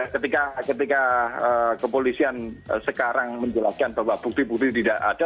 ketika kepolisian sekarang menjelaskan bahwa bukti bukti tidak ada